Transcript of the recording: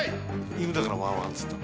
いぬだから「ワンワン」っつった。